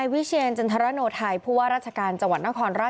ย์วิชเรียนเจนท์รโตชาวไทยพูดว่าราชการจังหวัดนครราชศรีมา